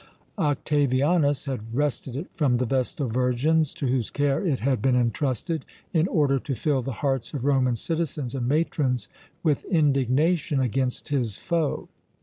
Octavianus had wrested it from the Vestal Virgins, to whose care it had been entrusted, in order to fill the hearts of Roman citizens and matrons with indignation against his foe.